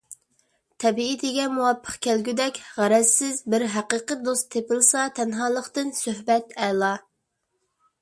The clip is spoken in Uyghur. تەبىئىتىگە مۇۋاپىق كەلگۈدەك غەرەزسىز بىر ھەقىقىي دوست تېپىلسا، تەنھالىقتىن سۆھبەت ئەلا.